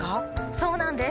そうなんです。